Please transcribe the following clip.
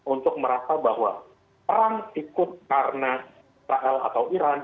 untuk merasa bahwa perang ikut karena israel atau iran